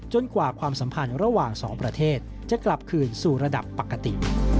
กว่าความสัมพันธ์ระหว่างสองประเทศจะกลับคืนสู่ระดับปกติ